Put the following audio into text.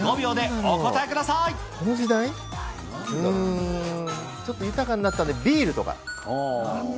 うーん、ちょっと豊かになったんで、ビールとか。